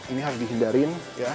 ini harus dihindarin ya